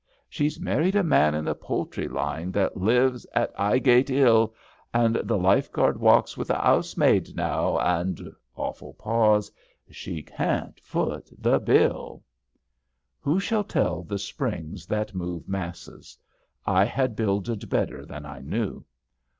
^* She's married a man in the poultry line That lives at 'Ighgate '111, An' the Lifeguard walks with the 'ousemaid now, An' (awful pause) she can't foot the bill I " Who shall tell the springs that move masses! I had builded better than I knew.